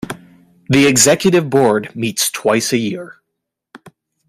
The Executive Board meets twice a year.